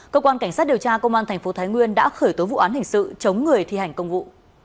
cơ quan cảnh sát điều tra công an thành phố thái nguyên đã khởi tố vụ án hình sự chống người thi hành công vụ